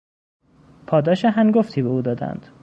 پاداش هنگفتی به او دادند.